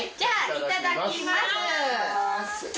いただきます。